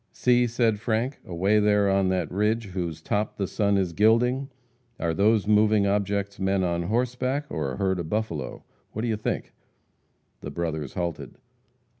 "See," said Frank, "away there on that ridge whose top the sun is gilding! Are those moving objects men on horseback, or a herd of buffalo? What do you think?" The brothers halted.